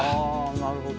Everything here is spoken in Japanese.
なるほど。